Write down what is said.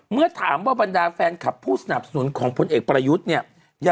เมื่อถามว่าบรรดาแฟนคลับผู้สนับสนุนของพลเอกประยุทธ์เนี่ย